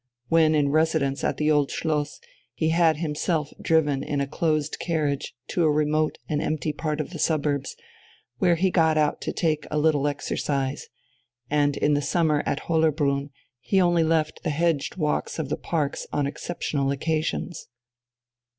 When in residence at the Old Schloss, he had himself driven in a closed carriage to a remote and empty part of the suburbs, where he got out to take a little exercise; and in the summer at Hollerbrunn he only left the hedged walks of the parks on exceptional occasions.